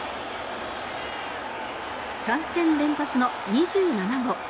３戦連発の２７号。